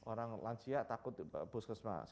orang lansia takut puskesmas